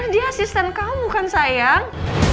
jadi asisten kamu kan sayang